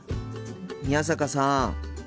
宮坂さん。